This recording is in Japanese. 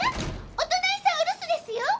お隣さんお留守ですよ。